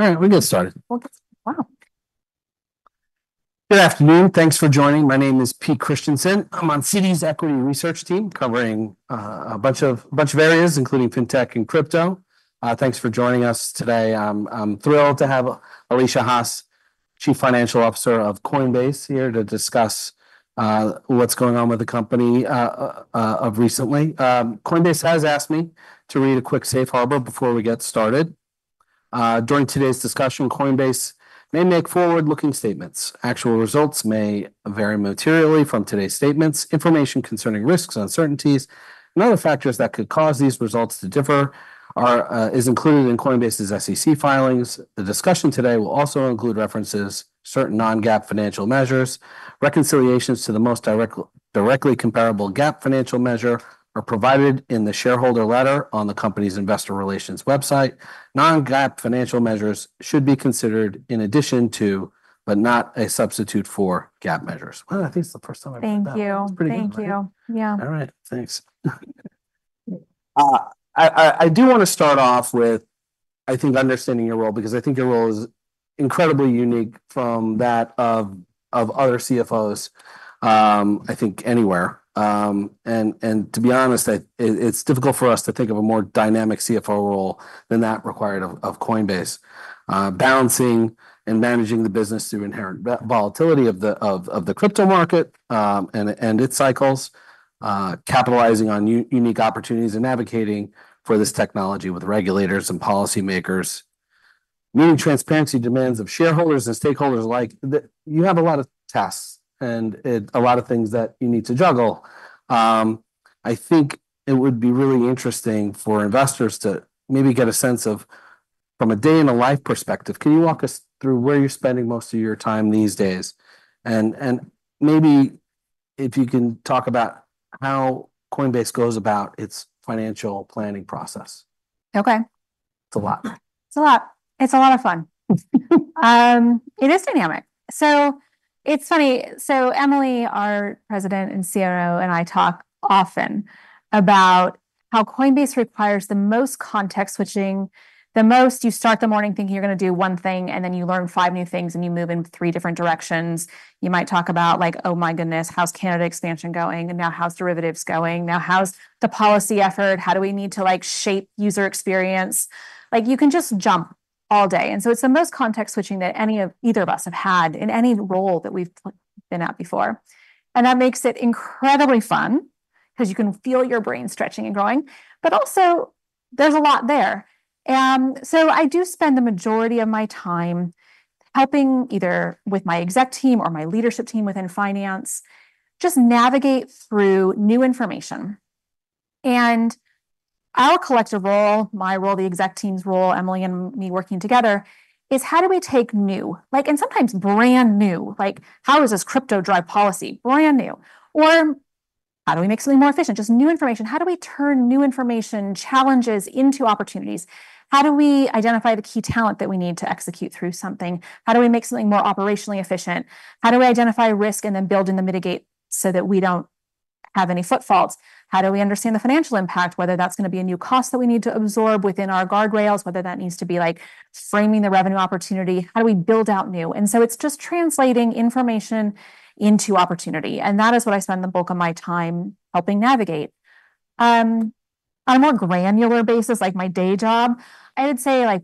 All right, we'll get started. Good afternoon. Thanks for joining. My name is Peter Christiansen. I'm on Citi's equity research team, covering a bunch of areas, including fintech and crypto. Thanks for joining us today. I'm thrilled to have Alesia Haas, Chief Financial Officer of Coinbase, here to discuss what's going on with the company of recently. Coinbase has asked me to read a quick safe harbor before we get started. During today's discussion, Coinbase may make forward-looking statements. Actual results may vary materially from today's statements. Information concerning risks, uncertainties, and other factors that could cause these results to differ is included in Coinbase's SEC filings. The discussion today will also include references to certain non-GAAP financial measures. Reconciliations to the most directly comparable GAAP financial measure are provided in the shareholder letter on the company's investor relations website. Non-GAAP financial measures should be considered in addition to, but not a substitute for, GAAP measures. I think it's the first time I've done that. Thank you. It's pretty good. Thank you. Yeah. All right. Thanks. I do want to start off with, I think, understanding your role, because I think your role is incredibly unique from that of other CFOs, I think anywhere, and to be honest, it's difficult for us to think of a more dynamic CFO role than that required of Coinbase, balancing and managing the business through inherent volatility of the crypto market and its cycles, capitalizing on unique opportunities and advocating for this technology with regulators and policymakers, meeting transparency demands of shareholders and stakeholders alike. You have a lot of tasks and a lot of things that you need to juggle. I think it would be really interesting for investors to maybe get a sense of, from a day-in-the-life perspective, can you walk us through where you're spending most of your time these days? And maybe if you can talk about how Coinbase goes about its financial planning process. Okay. It's a lot. It's a lot. It's a lot of fun. It is dynamic. So it's funny, so Emily, our president and COO, and I talk often about how Coinbase requires the most context-switching. The most, you start the morning thinking you're going to do one thing, and then you learn five new things, and you move in three different directions. You might talk about, like, "Oh my goodness, how's Canada expansion going? And now how's derivatives going? Now how's the policy effort? How do we need to, like, shape user experience?" Like, you can just jump all day. And so it's the most context switching that any of, either of us have had in any role that we've like, been at before. And that makes it incredibly fun because you can feel your brain stretching and growing. But also, there's a lot there. So, I do spend the majority of my time helping either with my exec team or my leadership team within finance, just navigate through new information. Our collective role, my role, the exec team's role, Emily and me working together, is how do we take new, like, and sometimes brand-new, like, how does this crypto-driven policy? Brand new. Or how do we make something more efficient? Just new information. How do we turn new information, challenges into opportunities? How do we identify the key talent that we need to execute through something? How do we make something more operationally efficient? How do we identify risk and then build in the mitigation so that we don't have any foot faults? How do we understand the financial impact, whether that's going to be a new cost that we need to absorb within our guardrails, whether that needs to be like framing the revenue opportunity? How do we build out new? And so it's just translating information into opportunity, and that is what I spend the bulk of my time helping navigate. On a more granular basis, like my day job, I would say like,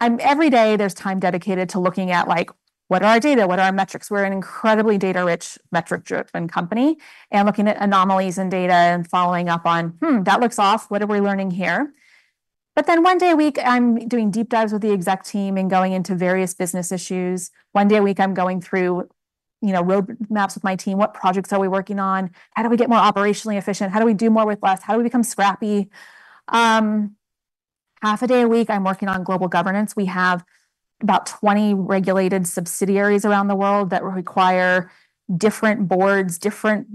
I'm every day there's time dedicated to looking at like, what are our data? What are our metrics? We're an incredibly data-rich, metric-driven company, and looking at anomalies in data and following up on, "Hmm, that looks off. What are we learning here?" But then one day a week, I'm doing deep dives with the exec team and going into various business issues. One day a week, I'm going through, you know, roadmaps with my team. What projects are we working on? How do we get more operationally efficient? How do we do more with less? How do we become scrappy? Half a day a week, I'm working on global governance. We have about 20 regulated subsidiaries around the world that require different boards, different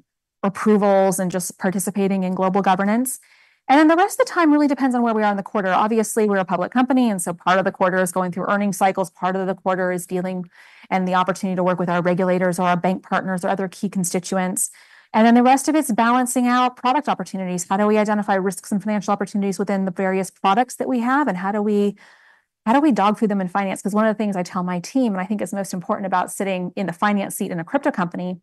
approvals, and just participating in global governance. Then the rest of the time really depends on where we are in the quarter. Obviously, we're a public company, and so part of the quarter is going through earnings cycles, part of the quarter is dealing and the opportunity to work with our regulators or our bank partners or other key constituents. Then the rest of it's balancing out product opportunities. How do we identify risks and financial opportunities within the various products that we have, and how do we, how do we dig through them in finance? Because one of the things I tell my team, and I think is most important about sitting in the finance seat in a crypto company,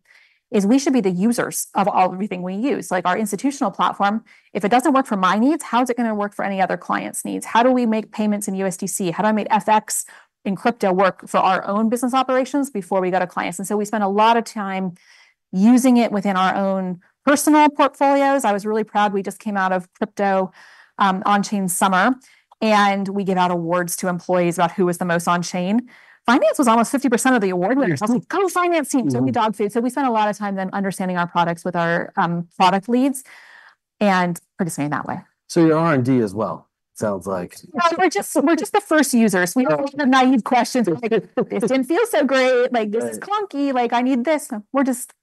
is we should be the users of all, everything we use. Like our institutional platform, if it doesn't work for my needs, how is it going to work for any other client's needs? How do we make payments in USDC? How do I make FX and crypto work for our own business operations before we go to clients? And so we spend a lot of time using it within our own personal portfolios. I was really proud we just came out of crypto, Onchain Summer, and we give out awards to employees about who was the most on-chain. Finance was almost 50% of the award winners. Wow. I was like, "Go, finance team! Yeah. So we dig deep. So we spend a lot of time then understanding our products with our product leads, and participating that way. So you're R&D as well. Sounds like. No, we're just the first users. Okay. We ask the naive questions, like, "It didn't feel so great. Right. Like, "This is clunky. Like, I need this." We're just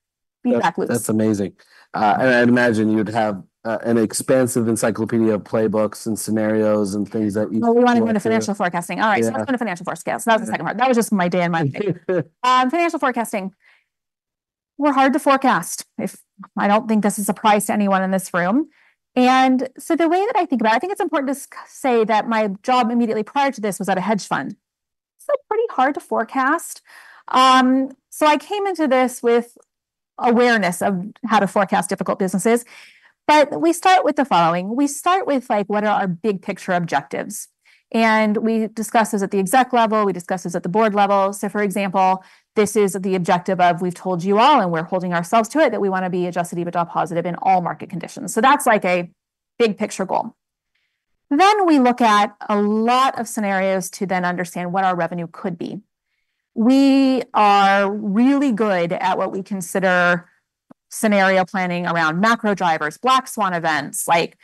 feedback loops. That's, that's amazing. And I'd imagine you'd have an expansive encyclopedia of playbooks and scenarios and things that you've went through. We want to move to financial forecasting. Yeah. All right, so let's go to financial forecast. Okay. That was the second part. That was just my day in my life. Financial forecasting. We're hard to forecast. I don't think this is a surprise to anyone in this room. And so the way that I think about it, I think it's important to say that my job immediately prior to this was at a hedge fund. So pretty hard to forecast. So I came into this with awareness of how to forecast difficult businesses. But we start with the following. We start with, like, what are our big picture objectives? And we discuss this at the exec level. We discuss this at the board level. So for example, this is the objective of we've told you all, and we're holding ourselves to it, that we wanna be Adjusted EBITDA positive in all market conditions. So that's like a big picture goal. We look at a lot of scenarios to then understand what our revenue could be. We are really good at what we consider scenario planning around macro drivers, black swan events, like,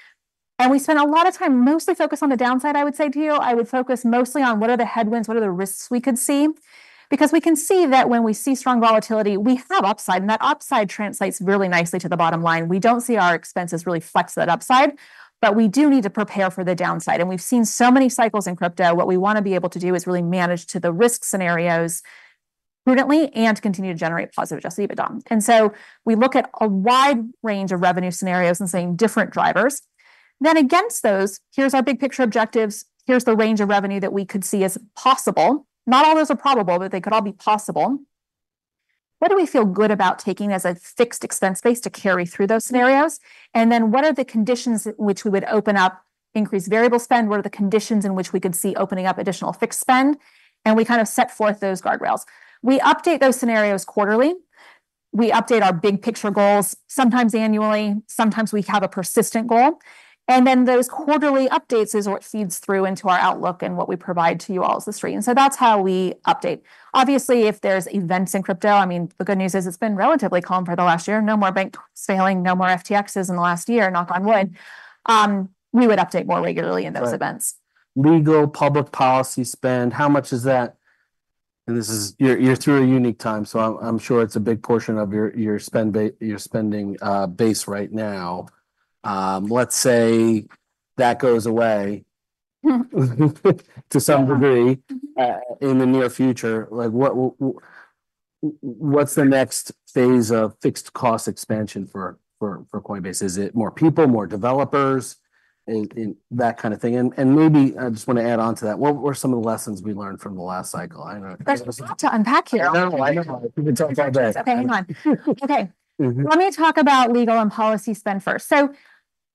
and we spend a lot of time mostly focused on the downside, I would say to you. I would focus mostly on what are the headwinds, what are the risks we could see? Because we can see that when we see strong volatility, we have upside, and that upside translates really nicely to the bottom line. We don't see our expenses really flex that upside, but we do need to prepare for the downside. We've seen so many cycles in crypto. What we wanna be able to do is really manage to the risk scenarios prudently and continue to generate positive Adjusted EBITDA. And so we look at a wide range of revenue scenarios and seeing different drivers. Then against those, here's our big picture objectives, here's the range of revenue that we could see as possible. Not all those are probable, but they could all be possible. What do we feel good about taking as a fixed expense base to carry through those scenarios? And then what are the conditions in which we would open up increased variable spend? What are the conditions in which we could see opening up additional fixed spend? And we kind of set forth those guardrails. We update those scenarios quarterly. We update our big picture goals, sometimes annually, sometimes we have a persistent goal. And then those quarterly updates is what feeds through into our outlook and what we provide to you all as the Street. So that's how we update. Obviously, if there's events in crypto, I mean, the good news is it's been relatively calm for the last year. No more banks failing, no more FTXs in the last year, knock on wood, we would update more regularly in those events. Right. Legal, public policy spend, how much is that? And this is... You're through a unique time, so I'm sure it's a big portion of your spending base right now. Let's say that goes away to some degree, in the near future. Like, what's the next phase of fixed cost expansion for Coinbase? Is it more people, more developers, and that kind of thing? And maybe I just wanna add on to that, what were some of the lessons we learned from the last cycle? I know- There's a lot to unpack here. I know, I know. We could talk all day. Okay, fine. Okay. Mm-hmm. Let me talk about legal and policy spend first, so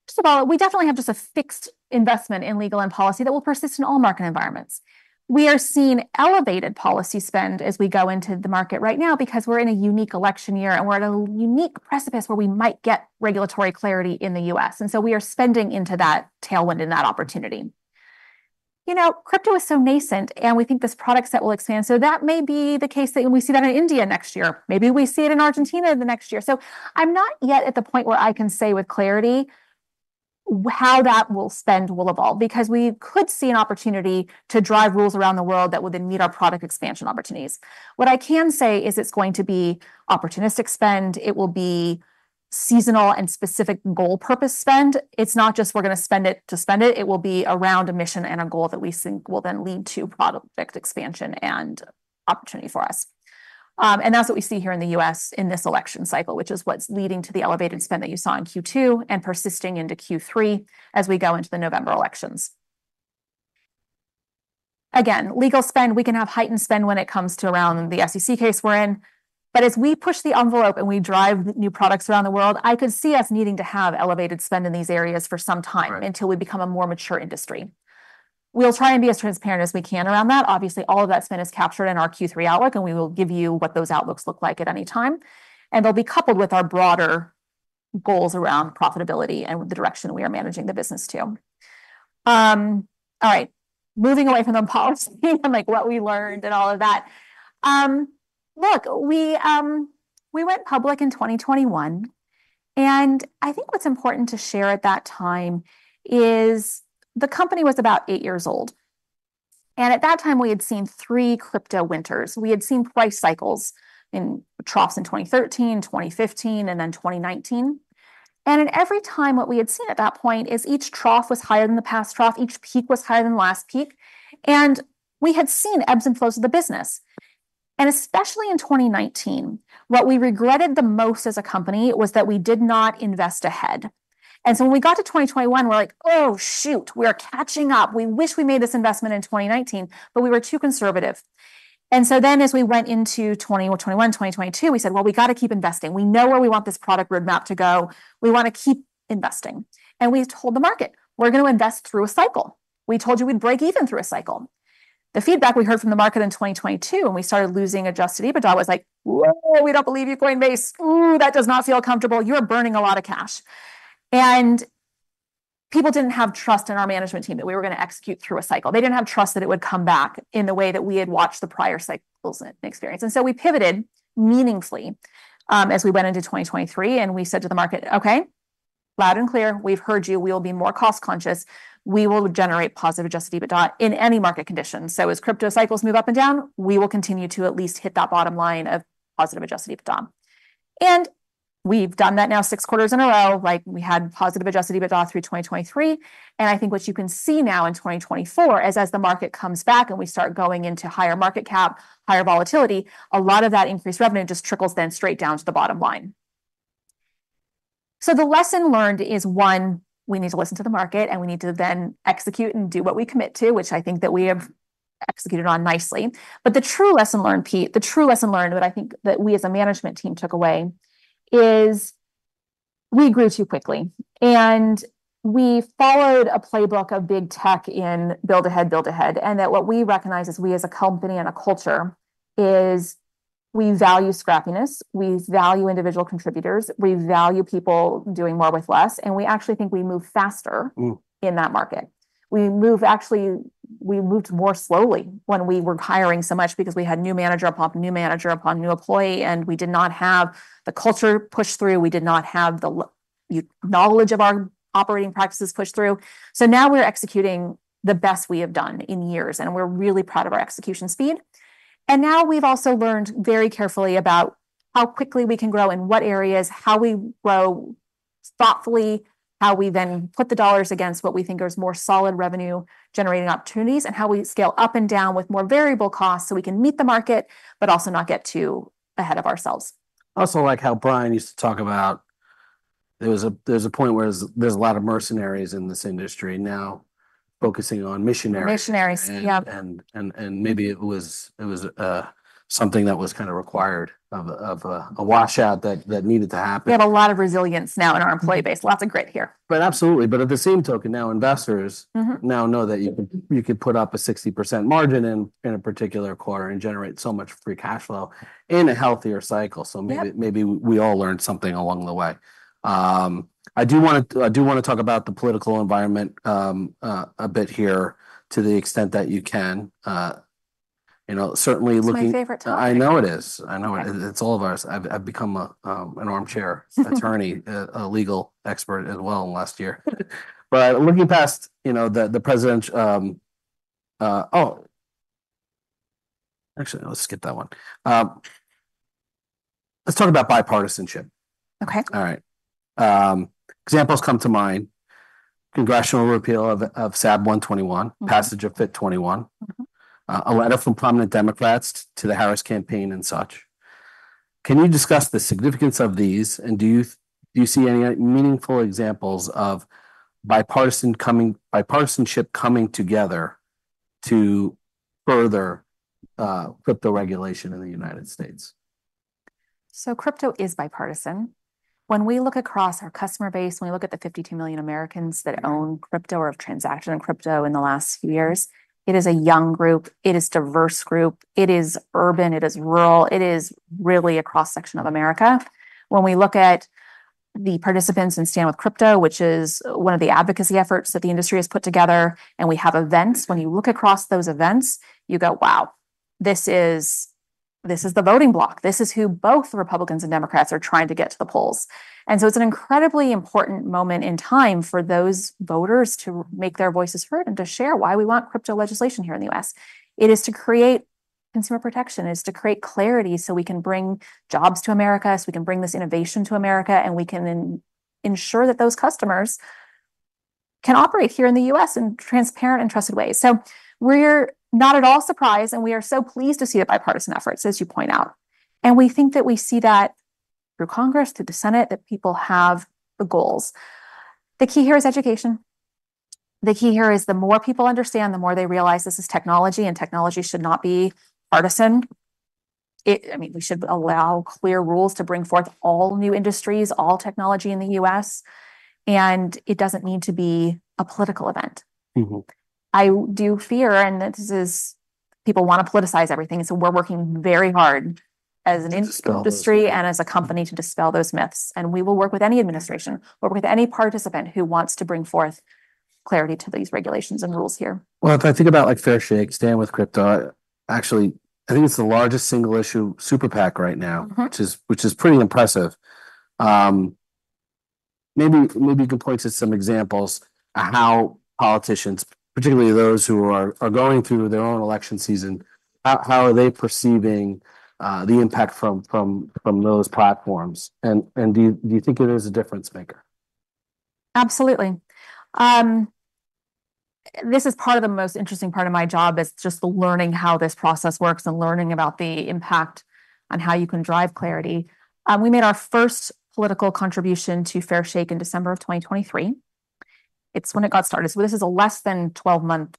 first of all, we definitely have just a fixed investment in legal and policy that will persist in all market environments. We are seeing elevated policy spend as we go into the market right now because we're in a unique election year, and we're at a unique precipice where we might get regulatory clarity in the U.S., and so we are spending into that tailwind and that opportunity. You know, crypto is so nascent, and we think this product set will expand, so that may be the case that when we see that in India next year, maybe we see it in Argentina the next year. So I'm not yet at the point where I can say with clarity how that spend will evolve, because we could see an opportunity to drive rules around the world that would then meet our product expansion opportunities. What I can say is it's going to be opportunistic spend, it will be seasonal and specific goal purpose spend. It's not just we're gonna spend it to spend it, it will be around a mission and a goal that we think will then lead to product expansion and opportunity for us. And that's what we see here in the U.S. in this election cycle, which is what's leading to the elevated spend that you saw in Q2 and persisting into Q3 as we go into the November elections. Again, legal spend, we can have heightened spend when it comes to around the SEC case we're in. But as we push the envelope and we drive new products around the world, I could see us needing to have elevated spend in these areas for some time. Right Until we become a more mature industry. We'll try and be as transparent as we can around that. Obviously, all of that spend is captured in our Q3 outlook, and we will give you what those outlooks look like at any time, and they'll be coupled with our broader goals around profitability and the direction we are managing the business to. All right, moving away from the policy, and like what we learned and all of that. Look, we went public in 2021, and I think what's important to share at that time is the company was about eight years old, and at that time we had seen three crypto winters. We had seen price cycles in troughs in 2013, 2015, and then 2019. And in every time, what we had seen at that point is each trough was higher than the past trough, each peak was higher than the last peak, and we had seen ebbs and flows of the business. And especially in 2019, what we regretted the most as a company was that we did not invest ahead. And so when we got to 2021, we're like: "Oh, shoot, we are catching up. We wish we made this investment in 2019, but we were too conservative." And so then, as we went into 2021, 2022, we said, "Well, we gotta keep investing. We know where we want this product roadmap to go. We wanna keep investing." And we told the market, "We're gonna invest through a cycle." We told you we'd break even through a cycle. The feedback we heard from the market in 2022, when we started losing Adjusted EBITDA, was like, "Whoa, we don't believe you, Coinbase. Ooh, that does not feel comfortable. You're burning a lot of cash." And people didn't have trust in our management team that we were gonna execute through a cycle. They didn't have trust that it would come back in the way that we had watched the prior cycles and experience. And so we pivoted meaningfully, as we went into 2023, and we said to the market, "Okay, loud and clear, we've heard you. We will be more cost conscious. We will generate positive Adjusted EBITDA in any market conditions." So as crypto cycles move up and down, we will continue to at least hit that bottom line of positive Adjusted EBITDA. And we've done that now six quarters in a row. Like, we had positive Adjusted EBITDA through 2023, and I think what you can see now in 2024 is as the market comes back and we start going into higher market cap, higher volatility, a lot of that increased revenue just trickles then straight down to the bottom line. So the lesson learned is, one, we need to listen to the market, and we need to then execute and do what we commit to, which I think that we have executed on nicely. But the true lesson learned, Pete, the true lesson learned that I think that we as a management team took away is we grew too quickly, and we followed a playbook of big tech in build ahead, build ahead. And that what we recognize is we as a company and a culture is we value scrappiness, we value individual contributors, we value people doing more with less, and we actually think we move faster. Mm. in that market. We moved actually. We moved more slowly when we were hiring so much because we had new manager upon new manager upon new employee, and we did not have the culture pushed through. We did not have the knowledge of our operating practices pushed through. So now we're executing the best we have done in years, and we're really proud of our execution speed. Now we've also learned very carefully about how quickly we can grow, in what areas, how we grow thoughtfully, how we then put the dollars against what we think is more solid revenue-generating opportunities, and how we scale up and down with more variable costs so we can meet the market but also not get too ahead of ourselves. I also like how Brian used to talk about there's a point where there's a lot of mercenaries in this industry now focusing on missionaries. Missionaries, yep. Maybe it was something that was kinda required of a washout that needed to happen. We have a lot of resilience now in our employee base. Mm-hmm. Lots of grit here. But absolutely, at the same token, now investors now know that you could put up a 60% margin in a particular quarter and generate so much free cash flow in a healthier cycle. Yep. Maybe we all learned something along the way. I do want to talk about the political environment a bit here, to the extent that you can. You know, certainly looking- It's my favorite topic. I know it is. I know it. Yes. It's all of ours. I've become an armchair attorney, a legal expert as well in the last year. But looking past, you know, the president. Oh, actually, let's skip that one. Let's talk about bipartisanship. Okay. All right. Examples come to mind. Congressional repeal of SAB 121 passage of FIT21. A letter from prominent Democrats to the Harris campaign and such. Can you discuss the significance of these, and do you see any meaningful examples of bipartisanship coming together to further crypto regulation in the United States? So crypto is bipartisan. When we look across our customer base, when we look at the 52 million Americans that own crypto or have transacted in crypto in the last few years, it is a young group, it is diverse group, it is urban, it is rural, it is really a cross-section of America. When we look at the participants in Stand with Crypto, which is one of the advocacy efforts that the industry has put together, and we have events, when you look across those events, you go, "Wow, this is, this is the voting bloc. This is who both Republicans and Democrats are trying to get to the polls." And so it's an incredibly important moment in time for those voters to make their voices heard and to share why we want crypto legislation here in the U.S. It is to create consumer protection. It is to create clarity so we can bring jobs to America, so we can bring this innovation to America, and we can ensure that those customers can operate here in the U.S. in transparent and trusted ways, so we're not at all surprised, and we are so pleased to see the bipartisan efforts, as you point out, and we think that we see that through Congress, through the Senate, that people have the goals. The key here is education. The key here is the more people understand, the more they realize this is technology, and technology should not be partisan. It, I mean, we should allow clear rules to bring forth all new industries, all technology in the U.S., and it doesn't need to be a political event. I do fear, and this is people wanna politicize everything, and so we're working very hard as an in- Dispel those industry and as a company to dispel those myths, and we will work with any administration or with any participant who wants to bring forth clarity to these regulations and rules here. If I think about, like, Fairshake, Stand with Crypto, actually, I think it's the largest single-issue super PAC right now which is pretty impressive. Maybe you can point to some examples of how politicians, particularly those who are going through their own election season, how are they perceiving the impact from those platforms, and do you think it is a difference maker? Absolutely. This is part of the most interesting part of my job, is just learning how this process works and learning about the impact on how you can drive clarity. We made our first political contribution to Fairshake in December of twenty twenty-three. It's when it got started. So this is a less than 12-month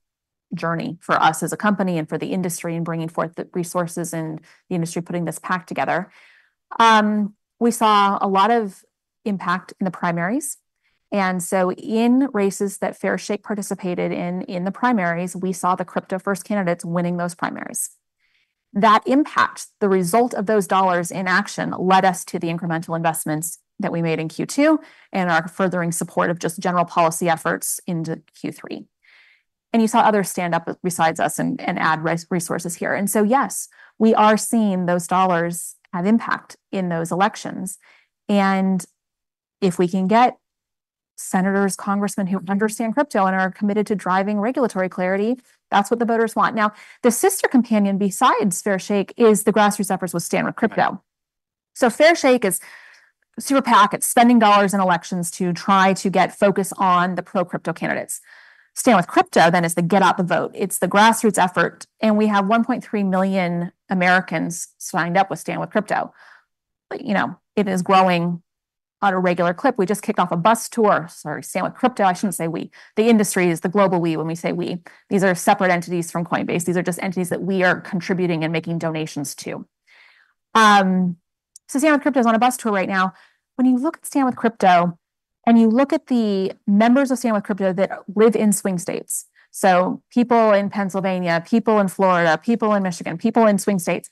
journey for us as a company and for the industry in bringing forth the resources and the industry putting this PAC together. We saw a lot of impact in the primaries, and so in races that Fairshake participated in, in the primaries, we saw the crypto-first candidates winning those primaries. That impact, the result of those dollars in action, led us to the incremental investments that we made in Q2 and our furthering support of just general policy efforts into Q3. You saw others stand up besides us and add resources here. So yes, we are seeing those dollars have impact in those elections. If we can get senators, congressmen who understand crypto and are committed to driving regulatory clarity, that's what the voters want. Now, the sister companion, besides Fairshake, is the grassroots efforts with Stand with Crypto. So Fairshake is super PAC. It's spending dollars in elections to try to get focus on the pro-crypto candidates. Stand with Crypto then is the get out the vote. It's the grassroots effort, and we have 1.3 million Americans signed up with Stand with Crypto. But you know, it is growing at a regular clip. We just kicked off a bus tour. Sorry, Stand with Crypto. I shouldn't say we. The industry is the global we when we say we. These are separate entities from Coinbase. These are just entities that we are contributing and making donations to. So Stand with Crypto is on a bus tour right now. When you look at Stand with Crypto, and you look at the members of Stand with Crypto that live in swing states, so people in Pennsylvania, people in Florida, people in Michigan, people in swing states,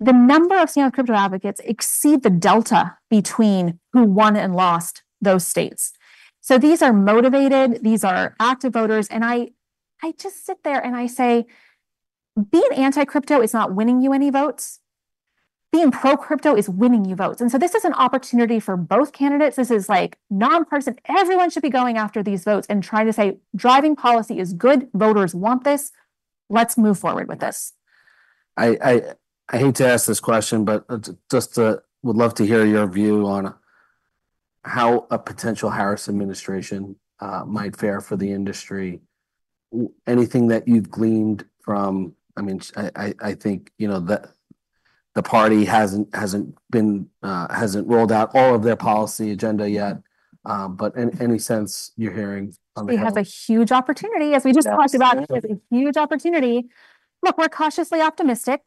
the number of Stand with Crypto advocates exceed the delta between who won and lost those states. So these are motivated, these are active voters, and I just sit there and I say, "Being anti-crypto is not winning you any votes. Being pro-crypto is winning you votes." And so this is an opportunity for both candidates. This is, like, nonpartisan. Everyone should be going after these votes and trying to say, "Driving policy is good. Voters want this. Let's move forward with this. I hate to ask this question, but just would love to hear your view on how a potential Harris administration might fare for the industry. Anything that you've gleaned from... I mean, I think, you know, the party hasn't rolled out all of their policy agenda yet, but any sense you're hearing on the hill? We have a huge opportunity, as we just talked about. Absolutely. We have a huge opportunity. Look, we're cautiously optimistic.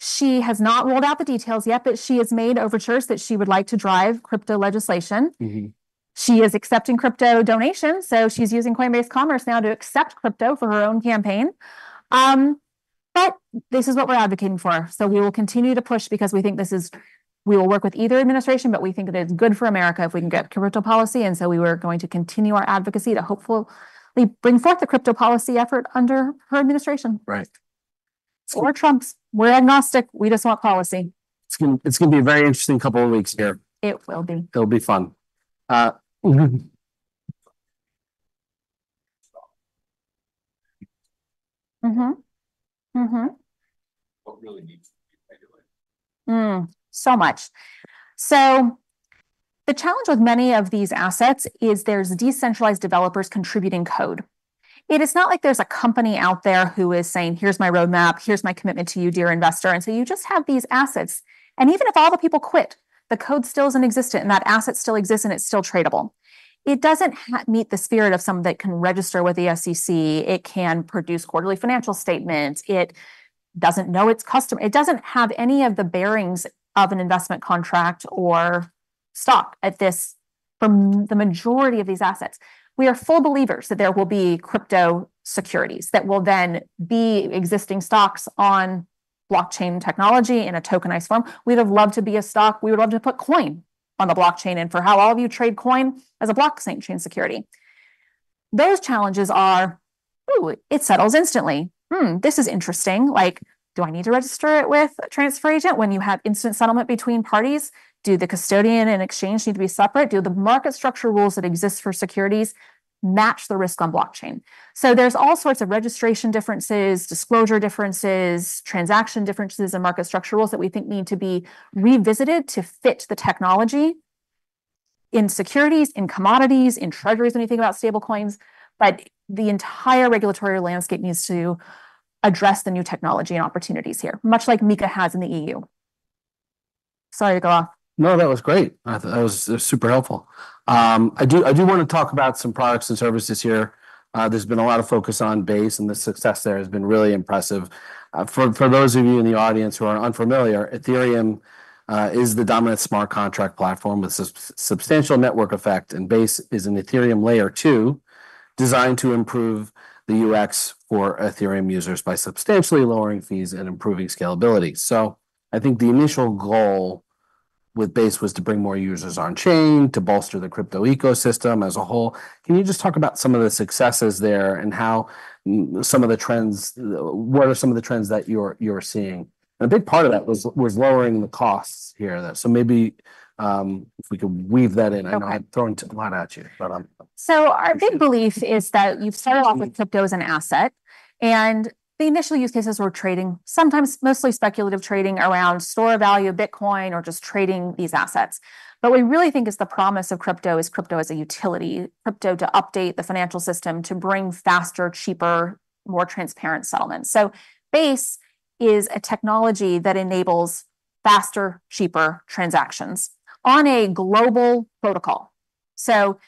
She has not rolled out the details yet, but she has made overtures that she would like to drive crypto legislation. Mm-hmm. She is accepting crypto donations, so she's using Coinbase Commerce now to accept crypto for her own campaign. But this is what we're advocating for, so we will continue to push because we think this is, we will work with either administration, but we think that it's good for America if we can get crypto policy, and so we were going to continue our advocacy to hopefully bring forth the crypto policy effort under her administration. Right. Or Trump's. We're agnostic. We just want policy. It's gonna be a very interesting couple of weeks here. It will be. It'll be fun. Mm-hmm. Mm-hmm. What really needs to be regulated? Mm, so much. So the challenge with many of these assets is there's decentralized developers contributing code. It is not like there's a company out there who is saying, "Here's my roadmap. Here's my commitment to you, dear investor." And so you just have these assets, and even if all the people quit, the code still exists, and that asset still exists, and it's still tradable. It doesn't meet the spirit of something that can register with the SEC. It can produce quarterly financial statements. It doesn't know its customer. It doesn't have any of the bearings of an investment contract or stock at this, from the majority of these assets. We are full believers that there will be crypto securities that will then be existing stocks on blockchain technology in a tokenized form. We would have loved to be a stock. We would love to put coin on the blockchain, and for how all of you trade coin as a blockchain security. Those challenges are, it settles instantly. This is interesting. Like, do I need to register it with a transfer agent when you have instant settlement between parties? Do the custodian and exchange need to be separate? Do the market structure rules that exist for securities match the risk on blockchain? So there's all sorts of registration differences, disclosure differences, transaction differences, and market structure rules that we think need to be revisited to fit the technology in securities, in commodities, in treasuries, when you think about stable coins, but the entire regulatory landscape needs to address the new technology and opportunities here, much like MiCA has in the EU. Sorry to go off. No, that was great. I thought that was super helpful. I do, I do wanna talk about some products and services here. There's been a lot of focus on Base, and the success there has been really impressive. For those of you in the audience who are unfamiliar, Ethereum is the dominant smart contract platform with substantial network effect, and Base is an Ethereum Layer 2, designed to improve the UX for Ethereum users by substantially lowering fees and improving scalability. So I think the initial goal with Base was to bring more users on chain, to bolster the crypto ecosystem as a whole. Can you just talk about some of the successes there and how some of the trends? What are some of the trends that you're seeing? And a big part of that was lowering the costs here, though. So maybe, if we could weave that in. Okay. I know I'm throwing a lot at you, but, So our big belief is that you've started off with crypto as an asset, and the initial use cases were trading, sometimes mostly speculative trading around store value, Bitcoin, or just trading these assets. But we really think is the promise of crypto is crypto as a utility, crypto to update the financial system to bring faster, cheaper, more transparent settlements. So Base is a technology that enables faster, cheaper transactions on a global protocol. So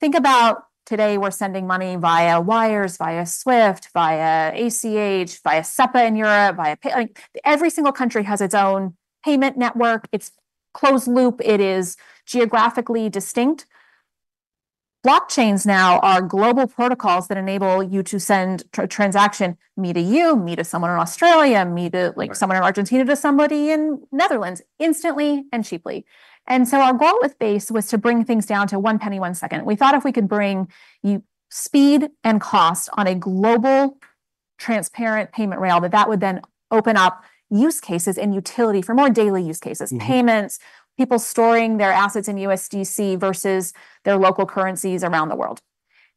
think about today, we're sending money via wires, via SWIFT, via ACH, via SEPA in Europe. Like, every single country has its own payment network. It's closed loop. It is geographically distinct. Blockchains now are global protocols that enable you to send a transaction, me to you, me to someone in Australia, me to, like, someone in Argentina, to somebody in Netherlands, instantly and cheaply. And so our goal with Base was to bring things down to one penny, one second. We thought if we could bring speed and cost on a global transparent payment rail, that would then open up use cases and utility for more daily use cases. Mm-hmm. Payments, people storing their assets in USDC versus their local currencies around the world,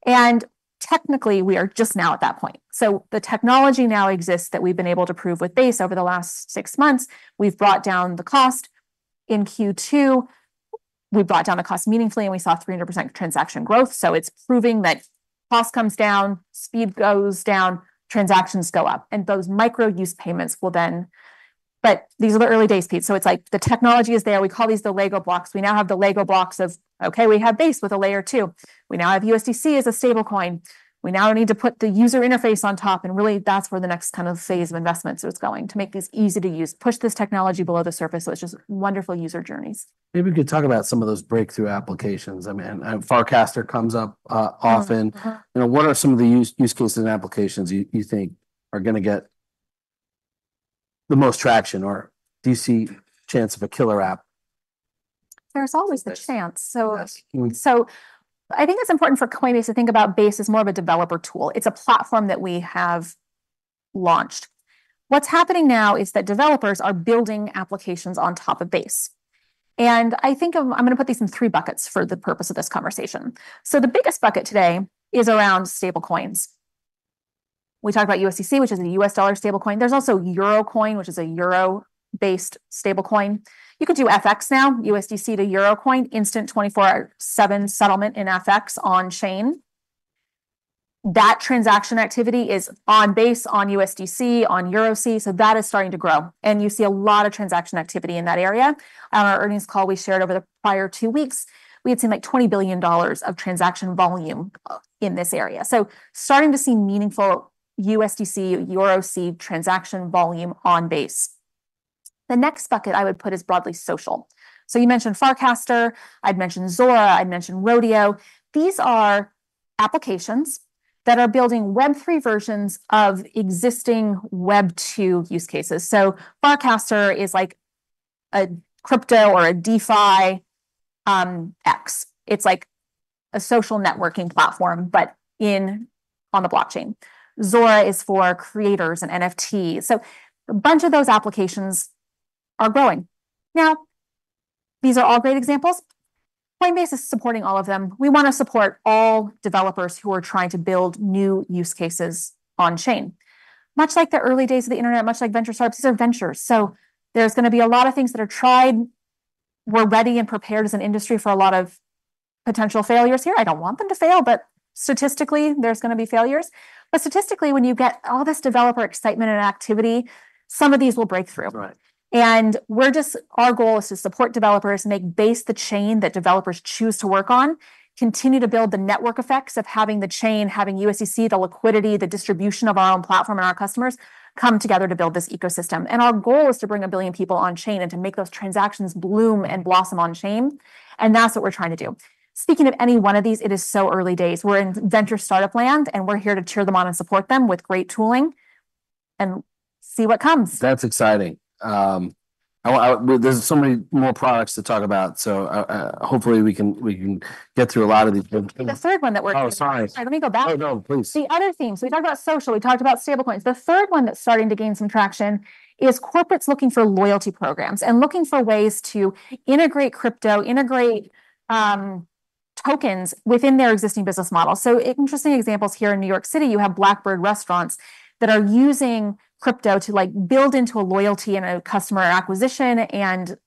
and technically, we are just now at that point, so the technology now exists that we've been able to prove with Base over the last six months. We've brought down the cost in Q2. We've brought down the cost meaningfully, and we saw 300% transaction growth, so it's proving that cost comes down, speed goes down, transactions go up, and those micro use payments will then. But these are the early days, Pete, so it's like the technology is there. We call these the Lego blocks. We now have the Lego blocks of, okay, we have Base with a layer two. We now have USDC as a stablecoin. We now need to put the user interface on top, and really, that's where the next kind of phase of investment is going, to make this easy to use, push this technology below the surface so it's just wonderful user journeys. Maybe we could talk about some of those breakthrough applications. I mean, and Farcaster comes up often. Mm, uh-huh. You know, what are some of the use cases and applications you think are gonna get the most traction, or do you see chance of a killer app? There's always the chance. Yes. I think it's important for Coinbase to think about Base as more of a developer tool. It's a platform that we have launched. What's happening now is that developers are building applications on top of Base, and I think I'm gonna put these in three buckets for the purpose of this conversation. The biggest bucket today is around stablecoins. We talked about USDC, which is a US dollar stablecoin. There's also Euro Coin, which is a euro-based stablecoin. You can do FX now, USDC to Euro Coin, instant 24/7 settlement in FX on chain. That transaction activity is on Base, on USDC, on Euro Coin, so that is starting to grow, and you see a lot of transaction activity in that area. On our earnings call we shared over the prior two weeks, we had seen, like, $20 billion of transaction volume in this area, so starting to see meaningful USDC, EURC transaction volume on Base. The next bucket I would put is broadly social. So you mentioned Farcaster. I'd mentioned Zora. I'd mentioned Rodeo. These are applications that are building Web3 versions of existing Web2 use cases. So Farcaster is like a crypto or a DeFi, X. It's like a social networking platform, but in, on the blockchain. Zora is for creators and NFT, so a bunch of those applications are growing. Now, these are all great examples. Coinbase is supporting all of them. We wanna support all developers who are trying to build new use cases on chain. Much like the early days of the internet, much like venture startups, these are ventures, so there's gonna be a lot of things that are tried. We're ready and prepared as an industry for a lot of potential failures here. I don't want them to fail, but statistically, there's gonna be failures. But statistically, when you get all this developer excitement and activity, some of these will break through. Right. We're just... Our goal is to support developers, make Base the chain that developers choose to work on, continue to build the network effects of having the chain, having USDC, the liquidity, the distribution of our own platform, and our customers come together to build this ecosystem, and our goal is to bring a billion people on chain and to make those transactions bloom and blossom on chain, and that's what we're trying to do. Speaking of any one of these, it is so early days. We're in venture startup land, and we're here to cheer them on and support them with great tooling, and see what comes. That's exciting. There's so many more products to talk about, so, hopefully we can get through a lot of these. But, and- The third one that we're Oh, sorry. All right, let me go back. Oh, no, please. The other themes, so we talked about social, we talked about stablecoins. The third one that's starting to gain some traction is corporates looking for loyalty programs and looking for ways to integrate crypto, integrate tokens within their existing business model, so interesting examples here in New York City, you have Blackbird restaurants that are using crypto to, like, build into a loyalty and a customer acquisition and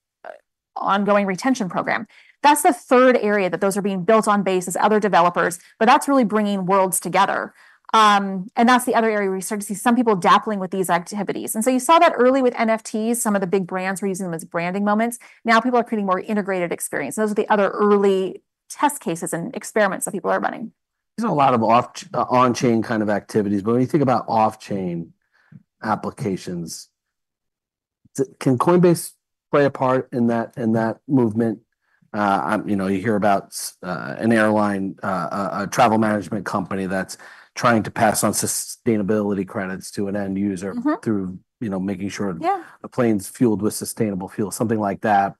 ongoing retention program. That's the third area that those are being built on Base as other developers, but that's really bringing worlds together. And that's the other area we start to see some people dabbling with these activities, and so you saw that early with NFTs. Some of the big brands were using them as branding moments. Now people are creating more integrated experiences. Those are the other early test cases and experiments that people are running. There's a lot of on-chain kind of activities, but when you think about off-chain applications, can Coinbase play a part in that, in that movement? You know, you hear about an airline, a travel management company that's trying to pass on sustainability credits to an end user- Mm-hmm... through, you know, making sure- Yeah a plane's fueled with sustainable fuel, something like that.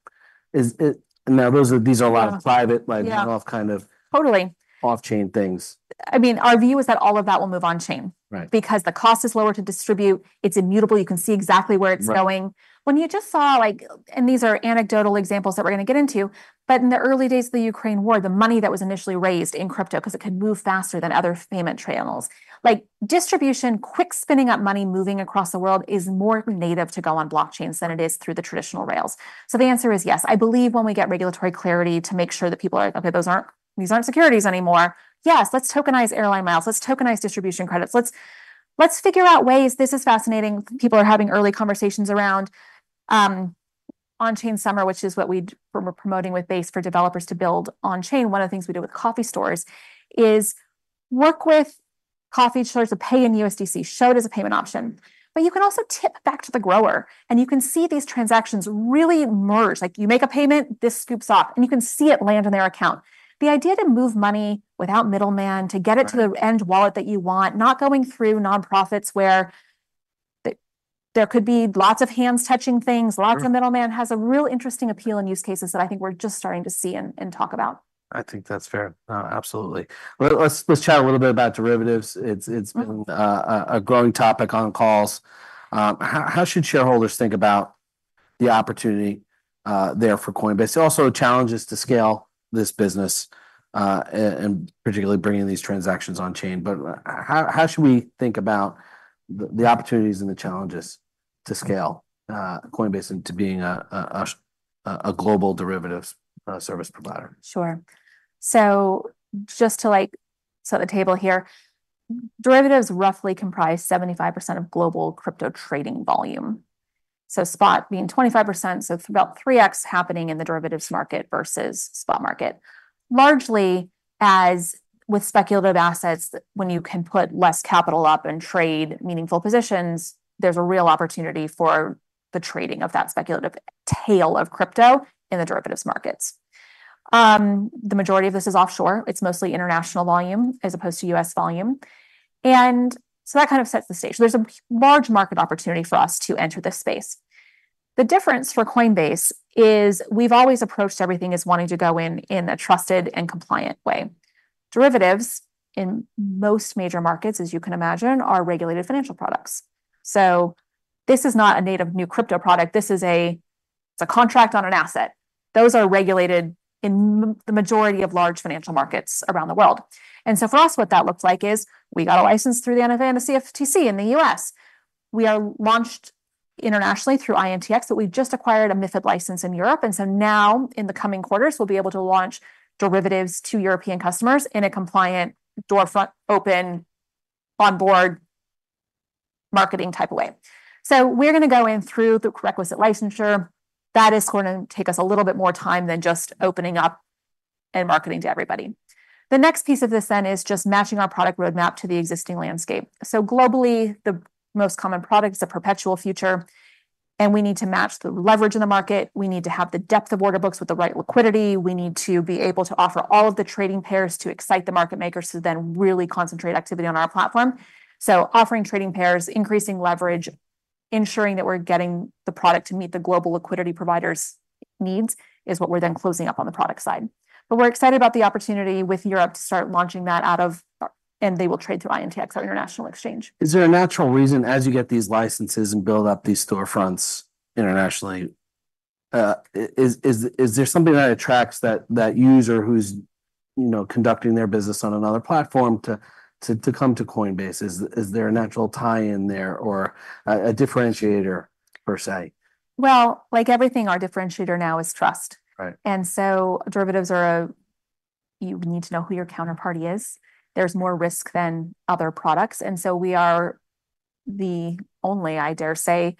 Now, those are, these are a lot of- Yeah private, like one-off kind of- Totally off-chain things. I mean, our view is that all of that will move on-chain- Right because the cost is lower to distribute. It's immutable. You can see exactly where it's going. Right. When you just saw, like, and these are anecdotal examples that we're gonna get into, but in the early days of the Ukraine war, the money that was initially raised in crypto, 'cause it could move faster than other payment channels, like, distribution, quick spinning up money moving across the world is more native to go on blockchains than it is through the traditional rails. So the answer is yes. I believe when we get regulatory clarity to make sure that people are like, "Okay, those aren't, these aren't securities anymore," yes, let's tokenize airline miles. Let's tokenize distribution credits. Let's figure out ways. This is fascinating. People are having early conversations around 0nchain Summer, which is what we're promoting with Base for developers to build on chain. One of the things we did with coffee stores is work with coffee stores to pay in USDC, show it as a payment option, but you can also tip back to the grower, and you can see these transactions really merge. Like, you make a payment, this scoops off, and you can see it land in their account. The idea to move money without middleman, to get it- Right to the end wallet that you want, not going through nonprofits where there could be lots of hands touching things, lots of middleman. Has a real interesting appeal and use cases that I think we're just starting to see and, and talk about. I think that's fair. Absolutely. Well, let's chat a little bit about derivatives. It's been- Mm-hmm a growing topic on calls. How should shareholders think about the opportunity there for Coinbase? Also, the challenges to scale this business and particularly bringing these transactions on chain, but how should we think about the opportunities and the challenges to scale Coinbase into being a global derivatives service provider? Sure. So just to, like, set the table here, derivatives roughly comprise 75% of global crypto trading volume. So spot being 25%, so it's about 3x happening in the derivatives market versus spot market. Largely, as with speculative assets, when you can put less capital up and trade meaningful positions, there's a real opportunity for the trading of that speculative tail of crypto in the derivatives markets. The majority of this is offshore. It's mostly international volume as opposed to U.S. volume, and so that kind of sets the stage. There's a large market opportunity for us to enter this space. The difference for Coinbase is we've always approached everything as wanting to go in in a trusted and compliant way. Derivatives, in most major markets, as you can imagine, are regulated financial products. So this is not a native new crypto product. This is a, it's a contract on an asset. Those are regulated in the majority of large financial markets around the world, and so for us, what that looks like is we got a license through the NFA CFTC in the U.S. We are launched internationally through INTX, but we've just acquired a MiFID license in Europe, and so now, in the coming quarters, we'll be able to launch derivatives to European customers in a compliant storefront, open, onboard marketing type of way. So we're gonna go in through the requisite licensure. That is gonna take us a little bit more time than just opening up and marketing to everybody. The next piece of this, then, is just matching our product roadmap to the existing landscape. So globally, the most common product is the perpetual future, and we need to match the leverage in the market. We need to have the depth of order books with the right liquidity. We need to be able to offer all of the trading pairs to excite the market makers to then really concentrate activity on our platform. So offering trading pairs, increasing leverage, ensuring that we're getting the product to meet the global liquidity providers' needs is what we're then closing up on the product side. But we're excited about the opportunity with Europe to start launching that out of... and they will trade through INTX, our international exchange. Is there a natural reason as you get these licenses and build up these storefronts internationally, is there something that attracts that user who's, you know, conducting their business on another platform to come to Coinbase? Is there a natural tie-in there or a differentiator per se? Like everything, our differentiator now is trust. Right. Derivatives are. You need to know who your counterparty is. There's more risk than other products, and so we are the only, I dare say,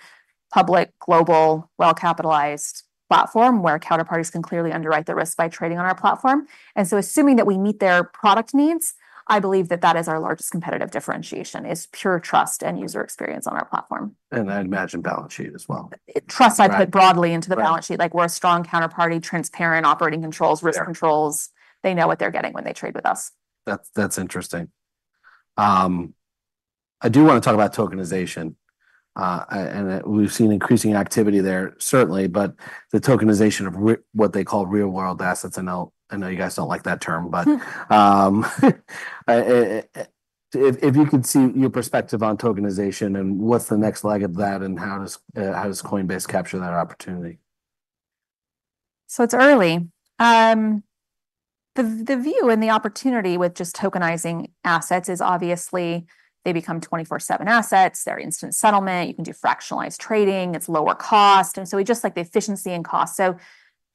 public, global, well-capitalized platform where counterparties can clearly underwrite the risk by trading on our platform. Assuming that we meet their product needs, I believe that that is our largest competitive differentiation, is pure trust and user experience on our platform. I'd imagine balance sheet as well. Trust- Right... I put broadly into the balance sheet. Right. Like, we're a strong counterparty, transparent operating controls. Yeah... risk controls. They know what they're getting when they trade with us. That's interesting. I do wanna talk about tokenization, and we've seen increasing activity there, certainly, but the tokenization of what they call real-world assets. I know you guys don't like that term, but if you could share your perspective on tokenization and what's the next leg of that, and how does Coinbase capture that opportunity? So it's early. The view and the opportunity with just tokenizing assets is obviously they become 24/7 assets. They're instant settlement. You can do fractionalized trading. It's lower cost, and so we just like the efficiency and cost. So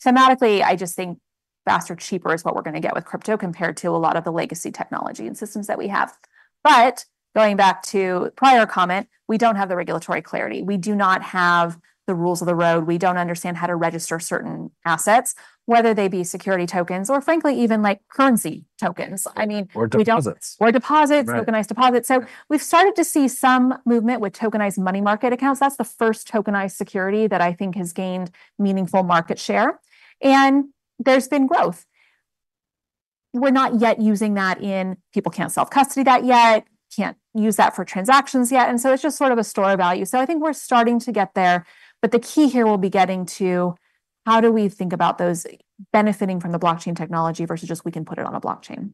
thematically, I just think faster, cheaper is what we're gonna get with crypto compared to a lot of the legacy technology and systems that we have. But going back to a prior comment, we don't have the regulatory clarity. We do not have the rules of the road. We don't understand how to register certain assets, whether they be security tokens or frankly, even like currency tokens. I mean, we don't- Or deposits. Or deposits. Right. Tokenized deposits. Yeah. So we've started to see some movement with tokenized money market accounts. That's the first tokenized security that I think has gained meaningful market share, and there's been growth. We're not yet using that in... People can't self-custody that yet, can't use that for transactions yet, and so it's just sort of a store of value. So I think we're starting to get there, but the key here will be getting to how do we think about those benefiting from the blockchain technology versus just we can put it on a blockchain?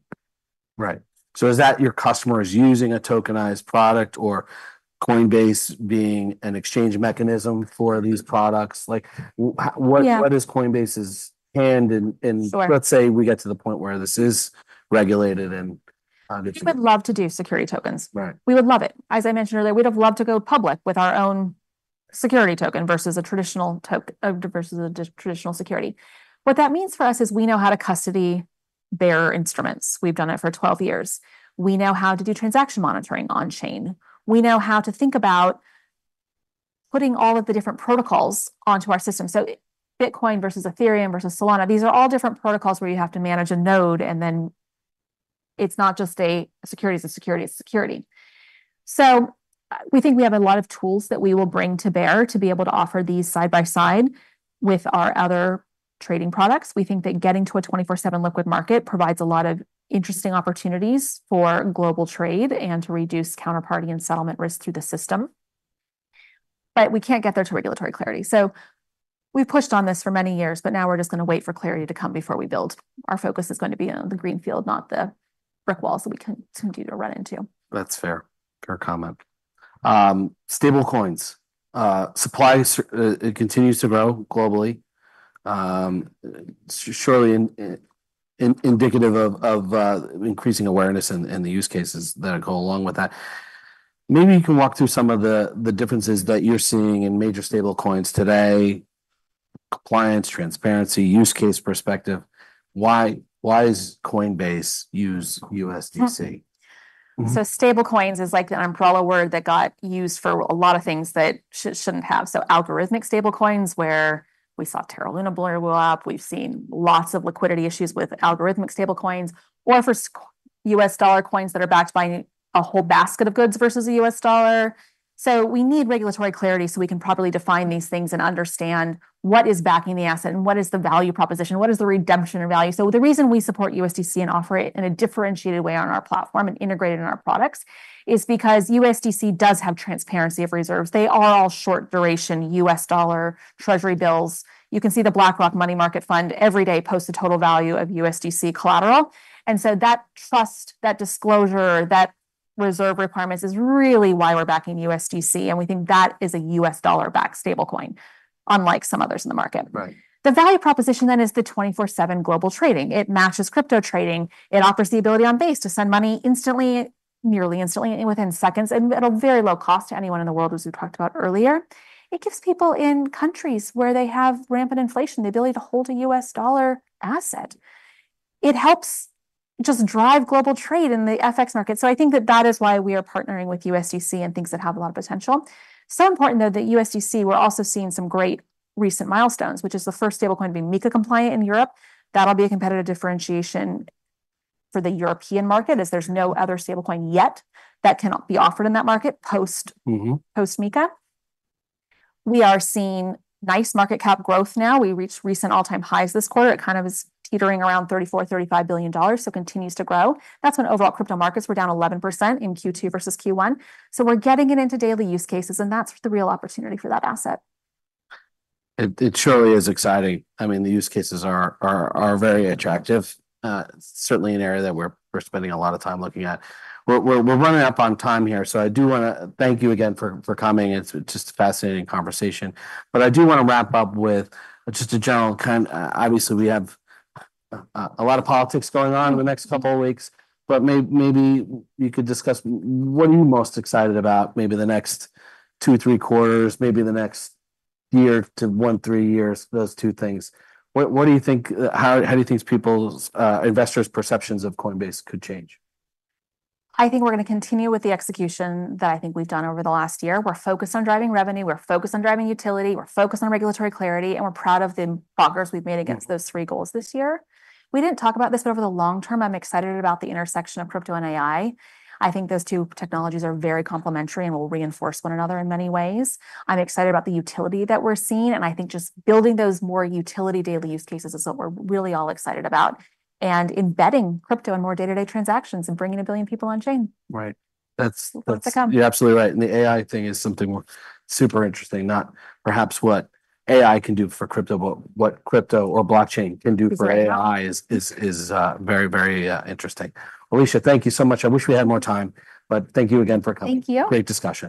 Right. So is that your customers using a tokenized product or Coinbase being an exchange mechanism for these products? Like w- Yeah what is Coinbase's hand in, in- Sure let's say we get to the point where this is regulated and, legitimate. We would love to do security tokens. Right. We would love it. As I mentioned earlier, we'd have loved to go public with our own security token versus a traditional security. What that means for us is we know how to custody bearer instruments. We've done it for twelve years. We know how to do transaction monitoring on-chain. We know how to think about putting all of the different protocols onto our system. So Bitcoin versus Ethereum versus Solana, these are all different protocols where you have to manage a node, and then it's not just a security. So we think we have a lot of tools that we will bring to bear to be able to offer these side by side with our other trading products. We think that getting to a 24/7 liquid market provides a lot of interesting opportunities for global trade and to reduce counterparty and settlement risk to the system. But we can't get there to regulatory clarity. So we've pushed on this for many years, but now we're just gonna wait for clarity to come before we build. Our focus is going to be on the green field, not the brick wall, so we can continue to run into. That's fair. Fair comment. Stablecoins. Supply it continues to grow globally. Surely indicative of increasing awareness and the use cases that go along with that. Maybe you can walk through some of the differences that you're seeing in major stablecoins today: compliance, transparency, use case perspective. Why does Coinbase use USDC? Hmm. Mm-hmm. Stablecoins is like the umbrella word that got used for a lot of things that shouldn't have. Algorithmic stablecoins, where we saw Terra Luna blow up. We've seen lots of liquidity issues with algorithmic stablecoins, or for US dollar coins that are backed by a whole basket of goods versus a US dollar. We need regulatory clarity so we can properly define these things and understand what is backing the asset and what is the value proposition, what is the redemption value? The reason we support USDC and offer it in a differentiated way on our platform and integrated in our products is because USDC does have transparency of reserves. They are all short-duration US dollar Treasury bills. You can see the BlackRock Money Market Fund every day post the total value of USDC collateral. And so that trust, that disclosure, that reserve requirements, is really why we're backing USDC, and we think that is a U.S. dollar-backed stablecoin, unlike some others in the market. Right. The value proposition, then, is the twenty-four seven global trading. It matches crypto trading. It offers the ability on Base to send money instantly, nearly instantly, within seconds, and at a very low cost to anyone in the world, as we talked about earlier. It gives people in countries where they have rampant inflation, the ability to hold a U.S. dollar asset. It helps just drive global trade in the FX market. So I think that that is why we are partnering with USDC and thinks it have a lot of potential. So important, though, that USDC, we're also seeing some great recent milestones, which is the first stablecoin to be MiCA compliant in Europe. That'll be a competitive differentiation for the European market, as there's no other stablecoin yet that cannot be offered in that market post- Mm-hmm. post-MiCA. We are seeing nice market cap growth now. We reached recent all-time highs this quarter. It kind of is teetering around $34-35 billion, so continues to grow. That's when overall crypto markets were down 11% in Q2 versus Q1. So we're getting it into daily use cases, and that's the real opportunity for that asset. It surely is exciting. I mean, the use cases are very attractive. Certainly an area that we're spending a lot of time looking at. We're running up on time here, so I do wanna thank you again for coming. It's just a fascinating conversation. But I do wanna wrap up... Obviously, we have a lot of politics going on in the next couple of weeks, but maybe you could discuss what are you most excited about, maybe the next two, three quarters, maybe the next year to one, three years? Those two things. What do you think, how do you think people's investors' perceptions of Coinbase could change? I think we're gonna continue with the execution that I think we've done over the last year. We're focused on driving revenue, we're focused on driving utility, we're focused on driving regulatory clarity, and we're proud of the progress we've made against those three goals this year. We didn't talk about this, but over the long term, I'm excited about the intersection of crypto and AI. I think those two technologies are very complementary and will reinforce one another in many ways. I'm excited about the utility that we're seeing, and I think just building those more utility daily use cases is what we're really all excited about, and embedding crypto in more day-to-day transactions and bringing a billion people on chain. Right. That's Lots to come. You're absolutely right, and the AI thing is something super interesting, not perhaps what AI can do for crypto, but what crypto or blockchain can do for AI- Exactly is very interesting. Alesia, thank you so much. I wish we had more time, but thank you again for coming. Thank you. Great discussion.